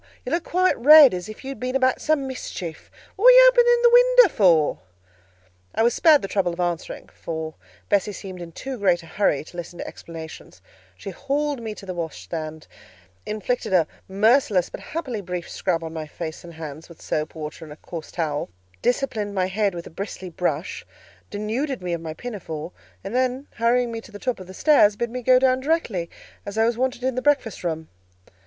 You look quite red, as if you had been about some mischief: what were you opening the window for?" I was spared the trouble of answering, for Bessie seemed in too great a hurry to listen to explanations; she hauled me to the washstand, inflicted a merciless, but happily brief scrub on my face and hands with soap, water, and a coarse towel; disciplined my head with a bristly brush, denuded me of my pinafore, and then hurrying me to the top of the stairs, bid me go down directly, as I was wanted in the breakfast room.